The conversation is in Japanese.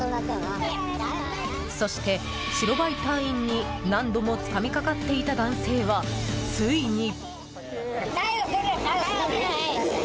そして、白バイ隊員に何度もつかみかかっていた男性はついに。